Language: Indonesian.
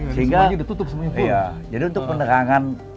sehingga jadi untuk penerangan